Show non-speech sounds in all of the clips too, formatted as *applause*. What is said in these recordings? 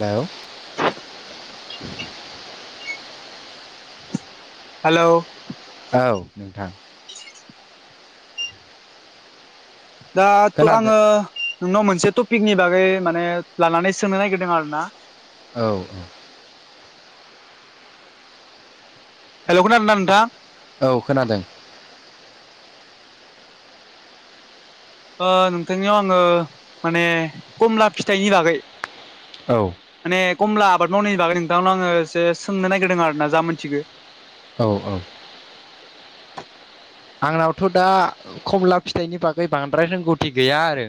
बाव *inaudible* हेलौ औ नोंथां। दाथ' खोनादों आङो नोंनाव मोनसे टपिकनि बागै माने लानानै सोंनो नागिरदों आरो ना। औ हेल' खोनान नोंथा? औ खोनादों। ओ नोंथांनियाव आङो माने खमला फिथाइनि बागै औ माने खमला आबाद मावनायनि बागै नोंथांनाव आङो एसे सोंनो नागिरदों आरो ना जा मोनथिगो। औ औ आंनावथ' दा खमला फिथाइनि बागै बांद्राय रोंगौथि गैया आरो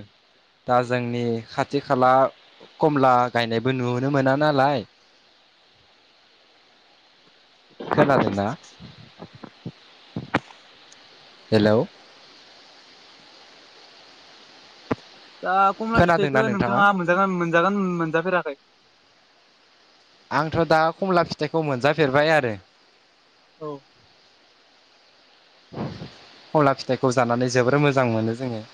दा जोंनि खाथि खाला कमला गायनायबो नुनो मोना नालाय। खोनादोंना? हेलौ दा कमला फिथाइखौ नोंथाङा मोनजाग मोनजागोन मोनजाफेराखै? आंथ' दा खमला फिथाइखौ मोनजाफेरबाय आरो औ खमला फिथाइखौ जानानै जोबोर मोजां मोनो जोङो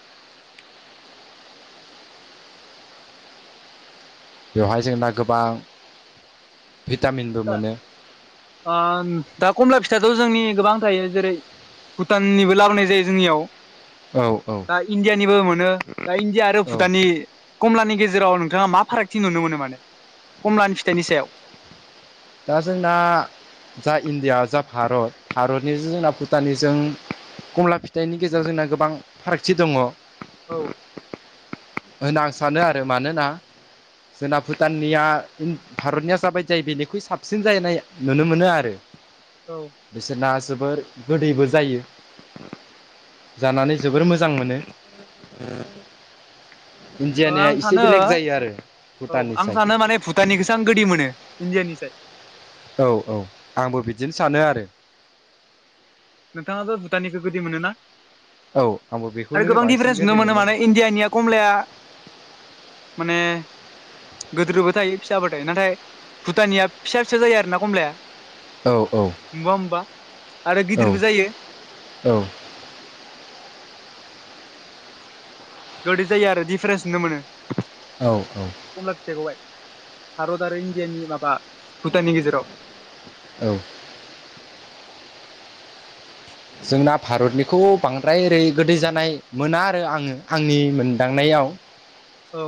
बेवहाय जोंना गोबां भिटामिनबो दा मोनो ओ दा कमला फिथायाथ' जोंनि गोबां थायो जेरै भुटाननिबो लाबोनाय जायो जोंनियाव औ औ दा इण्डियानिबो मोनो दा इण्डिया आरो औ भुटाननि कमलानि गेजेराव नोंथाङा मा फारागथि नुनो मोनो माने कमलानि फिथाइनि सायाव दा जोंना जा इण्डिया जा भारत भारतनिजों जोंना भुटाननिजों खमला फिथाइनि गेजेराव जोंना गोबां फारागथि दङ औ होनना आं सानो आरो मानोना जोंना भुटाननिया भारतनिया जाबाय जायो बेनिखुइ साबसिन जनाय नुनो मोनो आरो *inaudible* औ बिसोरना जोबोर गोदैबो जायो जानानै जोबोर मोजां मोनो ओ इण्डियानिया आं एसे सानो बेलेग जायो आरो औ आं भुटाननिसाय सानो माने भुटाननिखौसो आं गोदै मोनो इण्डियानिसाय औ औ आंबो बिदिनो सानो आरो नोंथाङाबो भुटाननिखौ गोदै मोनोना औ आंबो बेखौनो आरो गोबां बांसिन दिडिफारेन्स नुनो गोदै मोनो माने इण्डियानिया खमलाया माने गोदोरबो थायो फिसाबो थायो नाथाय भुटाननिया फिसा फिसा जायो आरोना खमलाया औ औ आरो औ गिदिरबो जायो औ गोदै जायो आरो डिफारेन्स नुनो मोनो औ औ कमला फिथाइखौहाय भारत आरो इण्डियानि माबा भुटाननि गेजेराव औ जोंना भारतनिखौ बांद्राय ओरै गोदै जानाय मोना आरो आङो आंनि मोनदांनायाव औ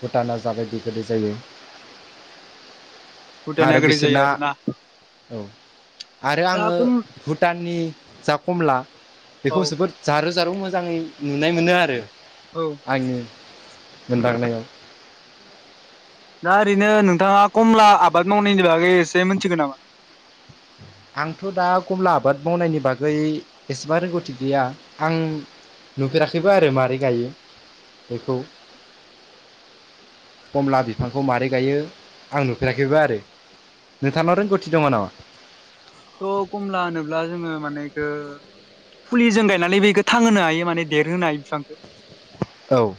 भुटाना जाबाय जि गोदै जायो भुटाना आरो गोदै जायो बिसोरना आरोना औ आरो दा आङो खम भुटाननि जा कमला औ बेखौ जोबोद जारौ जारौ मोजाङै नुनाय मोनो आरो औ आंनि मोनदांनायाव दा ओरैनो नोंथाङा खमला आबाद मावनायनि बागै एसे मिथिगोन नामा आंथ' दा कमला आबाद मावनायनि बागै एसेबा रोंगौथि गैया आं नुफेराखैबो आरो मारै गायो बेखौ कमला बिफांखौ मारै गायो आं नुफेराखैबो आरो नोंथांनाव रोंगौथि दङ नामा थ' खमला होनोब्ला जोङो माने एखो फुलिजों गायनानै बेखौ थांहोनो हायो माने देरहोनो हायो बिफांखो औ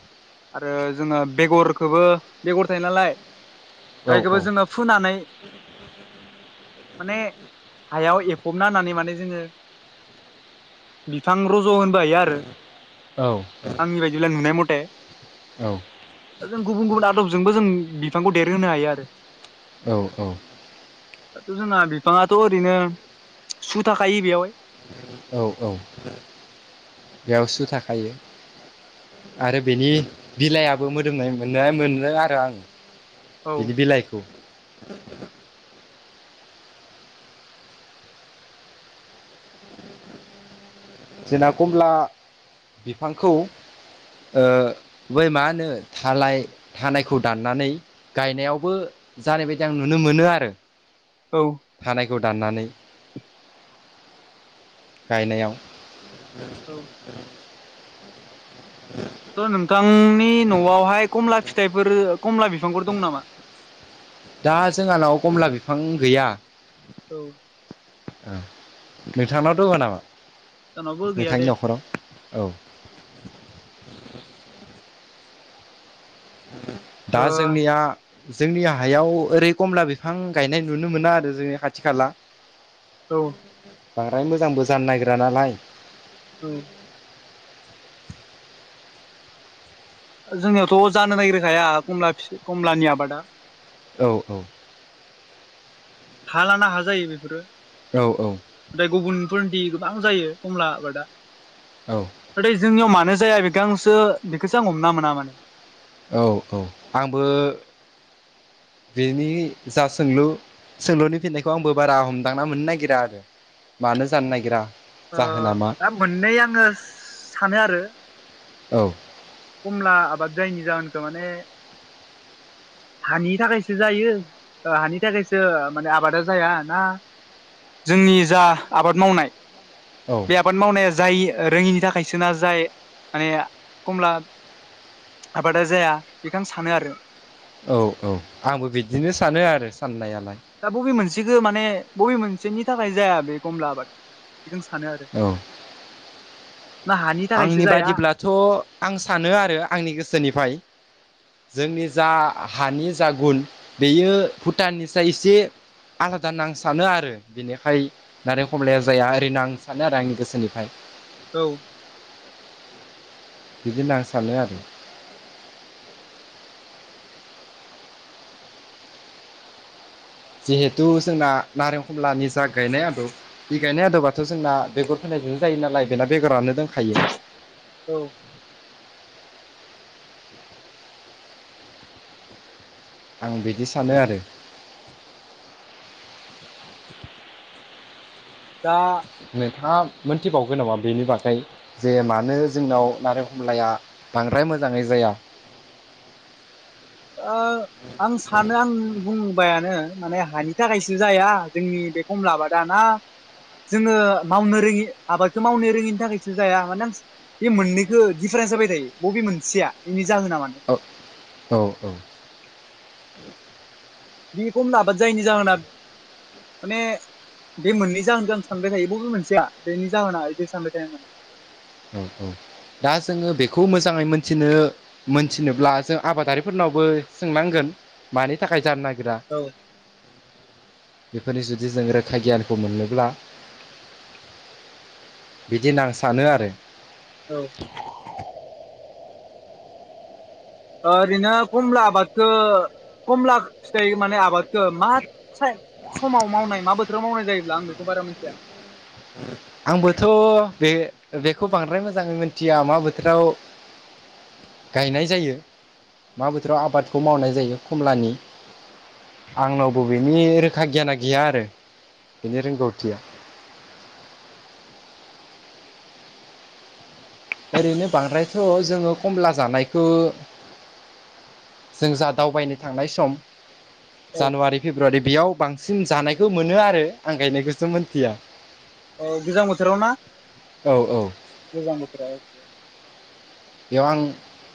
आरो जोङो बेगरखौबो बेगर थायो नालाय दा बेखौबो औ जोङो फुनानै माने हायाव एफबना होननानै माने जोङो बिफां रज' होनोबो हायो आरो औ आंनि बायदिब्ला नुनाय मथे औ दा जों गुबुन गुबुन आदबजोंबो जों बिफांखौ देरहोनो हायो आरो औ औ दाथ' जोंना बिफाङाथ' ओरैनो सु थाखायो बेयावहाय औ औ बेयाव सु थाखायो आरो बेनि बिलाइयाबो मोदोमनाय मोननाय मोनो आरो आं औ बिनि बिलाइ *inaudible* जोंना कमला बिफांखौ - ओ बै मा होनो थालाय थानायखौ दाननानै गायनायावबो जानाय बायदि आं नुनो मोनो आरो औ थानायखौ दाननानै गायनायाव औ *inaudible* *inaudible* थ' नोंथांनि न'आवहाय कमला फिथाइफोर खमला बिफांफोर दं नामा? दा जोंहानाव कमला बिफां गैया। औ नोंथांनाव दंङ नामा जोंनावबो गैया नोंथांनि दे न'खराव औ दा ओ जोंनिया जोंनि हायाव ओरै कमला बिफां गायनाय नुनो मोना आरो जोङो खाथि खाला। औ बांद्राय मोजांबो जानो नागिरा नालाय उम जोंनियावथ' जानो नागिरखाया कमला खमलानि आबादा औ औ। हा लाना हा जायो बेफोरो। औ औ। ओमफ्राय गुबुनफोरदि गोबां जायो खमला आबादा। औ। नाथाय जोंनियाव मानो जाया बेखौ आंसो बेखौसो आं हमना मोना माने औ औ आंबो बेनि जा सोंलु सोंलुनि फिननायखौ आंबो बारा हमदांना मोननो नागिरा आरो मानो जानो नागिरा। ओ जाहोना मा दा मोननै आङो सानो आरो औ खमला आबाद जायैनि जाहोनखौ माने हानि थाखायसो जायो ओ हानि थाखायसो माने आबादा जाया ना जोंनि जा आबाद मावनाय औ बे आबाद मावनाया जाय रोङिनि थाखायसो ना जाय माने खमला आबादा जाया बेखौ आं सानो आरो औ औ आंबो बिदिनो सानो आरो साननायालाय। दा बबे मोनसेखौ माने बबे मोनसेनि थाखाय जाया बे खमला आबाद। बेखौनो सानो आरो औ ना हानि थाखायसो आंनि जाया बादिब्लाथ' आं सानो आरो आंनि गोसोनिफ्राय। जोंनि जा हानि जा गुन बेयो भुटाननिसाय एसे आलादा नां सानो आरो बिनिखाय नारें खमलाया जाया ओरैनो आं सानो आरो आंनि गोसोनिफ्राय। औ। बिदि होनना आं सानो आरो जिहेथु जोंना नारें खमलानि जा गायनाय आदब बि गायनाय आदोबाथ' जोंना बेगर फोनायजों जायो नालाय बेना बेगरनो दोनखायो। औ। आं बिदि सानो आरो । दा नोंथाङा मोनथिबावगोन नामा बेनि बागै। जे मानो जोंनाव नारें खमलाया बांद्राय मोजांङै जाया। ओ आं सानो आं बुंबायानो माने हानि थाखायसो जाया जोंनि बे। खमला आबादा ना। जोङो मावनो रोङि आबादखौ मावनो रोङिनि थाखायसो जाया मानोना। बे मोननैखो दिडिफारेन्स जाबाय थायो बबे मोनसेया बेनि जाहोना मा ओ औ औ। बे खमला आबाद जायैनि जाहोना माने। बे मोननै जाहोन आं सानबाय थायो बबो मोनसेया बेनि जाहोना बिदि सानबाय थायो। औ औ दा जोङो बेखौ मोजाङै मोनथिनो। मोनथिनोब्ला जों आबादारिफोरनावबो सोंनांगोन मानि थाखाय जानो नागिरा। औ। बेफोरनि जुदि जों रोखा गियानखौ मोनोब्ला। बिदिनो आं सानो आरो। औ। ओ ओरैनो खमला आबादखो खमला फिथाइ माने आबाद मा *unintelligible* समाव मावनाय मा बोथोराव मावनाय जायोब्ला आं बेखौ बारा मिथिया। आंबोथ' बे बेखौ बांद्राय मोजाङै मिथिया मा बोथोराव। गायनाय जायो मा बोथोराव आबादखौ मावनाय जायो खमलानि। आंनावबो बिनि रोखा गियाना गैया आरो बेनि रोंगौथिया। ओरैनो बांद्रायथ' जोङो खमला जानायखो जों जा दावबायनो थांनाय सम औ जानुवारि फेब्रुवारि बेयाव बांसिन जानायखौ मोनो आरो आं गायनायखौसो मोनथिया। औ गोजां बोथोराव ना। औ औ। गोजां बोथोराव बेयाव आं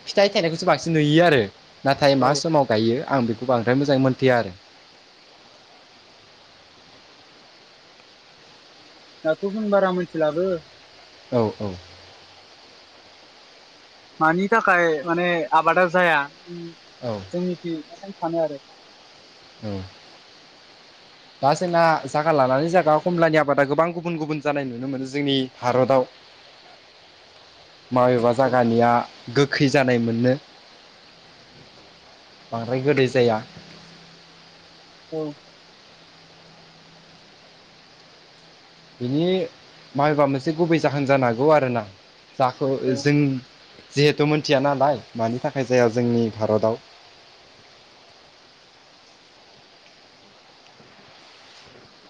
फिथाइ थाइनायखौसो बांसिन नुयो आरो नाथाय मा औ समाव गायो आं बेखौ बांद्राय मोजाङै मोन्थिया आरो। दाथ' जों बारा मिथि लाबो। औ औ। मानि थाखाय माने आबादा जाया औ। जोंनिखि *unintelligible* सानो आरो। ओं दा जोंना जागा लानानै जायगा खमलानि आबादा गोबां गुबुन गुबुन जानाय नुनो मोनो जोंनि भारताव। माबेबा औ जायगानिया गोखै जानाय मोनो। बांद्राय गोदै जाया। औ। बिनि मायबा मोनसे गुबै जाहोन जानो हागौ आरोना जाखौ औ जों जिहेथु मोनथिया नालाय मानि थाखाय जाया जोंनि भारताव।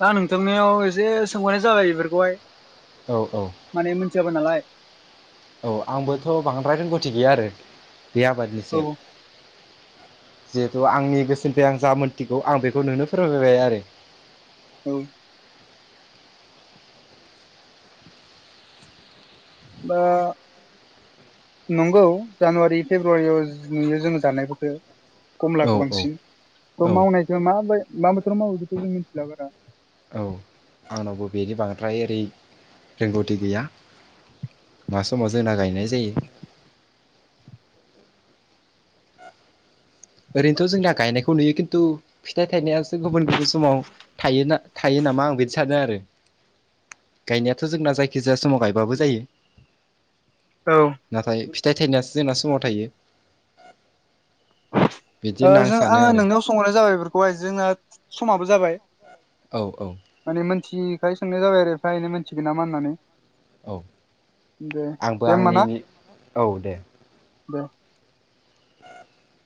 दा नोंथांनियाव एसे सोंहरनाय जाबाय बेफोरखौहाय। औ औ। माने मिथियाबो नालाय औ आंबोथ' बांद्राय रोंगथि गैया आरो बे आबादनि औ सायाव। जिहेथु आंनि गोसोनिफ्राय आं जा मोन्थिगौ आं बेखौ नोंनो फोरमायबाय आरो। औ। दा नंगौ जानुवारि फेब्रुवारियाव नुयो जोङो जानाय *unintelligible* औ कमलाखौ औ बांसिन थ औ मावनायखो मा मा बोथोराव मावो बेखौ' जों मिथिला बारा। औ आंनावबो बेनि बांद्राय ओरै रोंगौथि गैया। मा समाव जोंना गायनाय जायो ओरैनोथ' जोंना गायनायखौ नुयो खिन्थु फिथाइ थाइनायासो गुबुन गुबुन समाव थायो ना थायो नामा आं बिदि सानो आरो गायनायाथ' जोंना जायखिजाया समाव गायब बाबो जायो। औ नाथाय फिथाइ थाइनायसो जोंना समाव थायो। बिदि ओ होनना आं जों सानो आङो आरो नोंनाव सोंहरनाय जाबाय बेफोरखौ हाय जोंना समाबो जाबाय औ औ माने मोनथिखाय सोंनाय जाबाय आरो फ्रायनो मोनथिगोन नामा होननानै औ दे आंबो दे होमबा ना आंनि औ दे दे *inaudible*